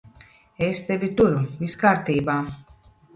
Es tevi turu. Viss kārtībā.